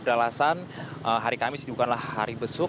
beralasan hari kamis bukanlah hari besuk